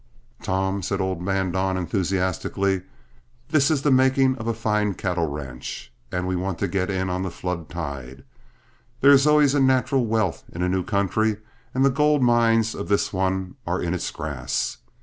"Tom," said old man Don, enthusiastically, "this is the making of a fine cattle ranch, and we want to get in on the flood tide. There is always a natural wealth in a new country, and the goldmines of this one are in its grass.